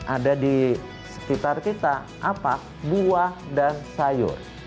ada di sekitar kita apa buah dan sayur